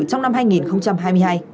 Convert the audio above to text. trong năm hai nghìn hai mươi hai